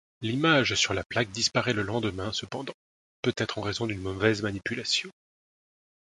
L'image sur la plaque disparaît le lendemain cependant, peut-être en raison d'une mauvaise manipulation.